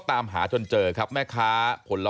ถ้าเขาถูกจับคุณอย่าลืม